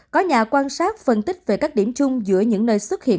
có nhà quan sát phân tích về các điểm chung giữa những nơi xuất hiện